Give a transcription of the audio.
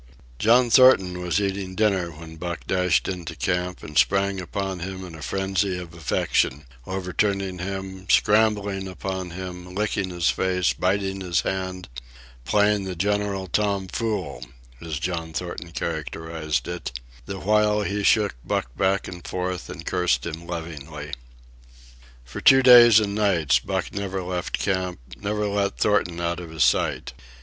John Thornton was eating dinner when Buck dashed into camp and sprang upon him in a frenzy of affection, overturning him, scrambling upon him, licking his face, biting his hand—"playing the general tom fool," as John Thornton characterized it, the while he shook Buck back and forth and cursed him lovingly. For two days and nights Buck never left camp, never let Thornton out of his sight.